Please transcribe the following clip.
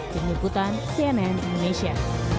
dinyiputan cnn indonesia